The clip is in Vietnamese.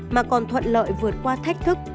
mà còn thuận lợi vượt qua thách thức